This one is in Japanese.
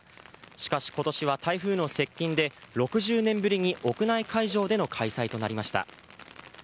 しかし、今年は台風の接近で６０年ぶりに屋内会場での開催となりました。